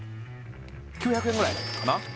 ９００円ぐらいかな